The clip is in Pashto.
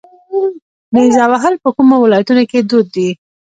نیزه وهل په کومو ولایتونو کې دود دي؟